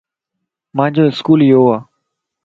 مانجو اسڪول يو ا